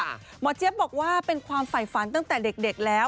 หมอเจี๊ยบบอกว่าเป็นความฝ่ายฝันตั้งแต่เด็กแล้ว